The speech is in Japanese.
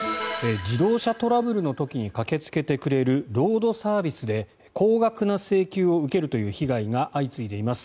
自動車トラブルの時に駆けつけてくれるロードサービスで高額な請求を受けるという被害が相次いでいます。